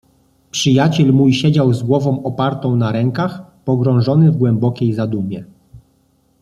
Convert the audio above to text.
"Przyjaciel mój siedział z głową opartą na rękach, pogrążony w głębokiej zadumie."